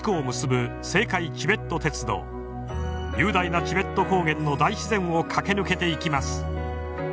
雄大なチベット高原の大自然を駆け抜けていきます。